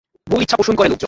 ভুল ইচ্ছা পোষণ করে লোকজন।